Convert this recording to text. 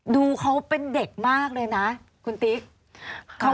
ดูเขาเป็นเด็กมากเลยนะคุณติ๊ก